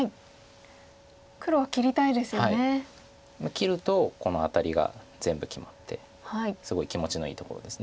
切るとこのアタリが全部決まってすごい気持ちのいいところです。